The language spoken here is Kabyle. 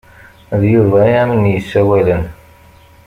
D Yuba i am-n-isawalen.